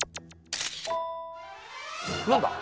何だ？